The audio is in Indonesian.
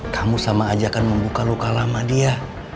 kamu sama aja akan membuka luka lama dia